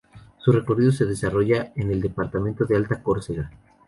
Su recorrido se desarrolla en el departamento de Alta Córcega.